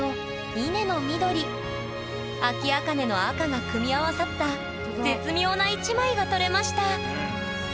アキアカネの赤が組み合わさった絶妙な一枚が撮れました。